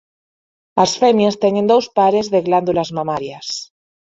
As femias teñen dous pares de glándulas mamarias.